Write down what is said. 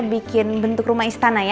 bikin bentuk rumah istana ya